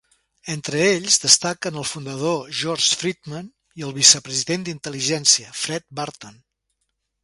Entre ells destaquen el fundador George Friedman i el vicepresident d'intel·ligència Fred Burton.